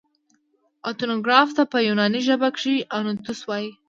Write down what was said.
اتنوګراف ته په یوناني ژبه کښي انتوس وايي.